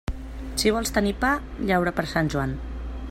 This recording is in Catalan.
Si vols tenir pa, llaura per Sant Joan.